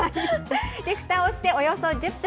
ふたをしておよそ１０分。